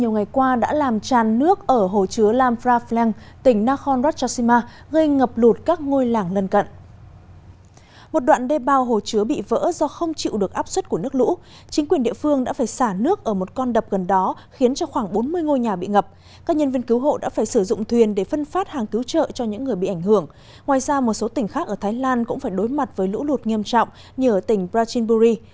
ngoài ra một số tỉnh khác ở thái lan cũng phải đối mặt với lũ lụt nghiêm trọng như ở tỉnh prachinburi